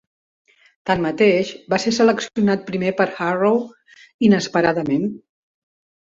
Tanmateix, va ser seleccionat primer per Harrow inesperadament.